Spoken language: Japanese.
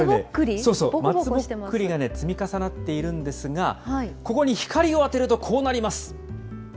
そうそう、松ぼっくりが積み重なっているんですが、ここに光を当てるとこうなります。